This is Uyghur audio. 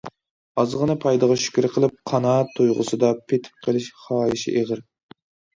ئازغىنە پايدىغا شۈكرى قىلىپ، قانائەت تۇيغۇسىدا پېتىپ قېلىش خاھىشى ئېغىر.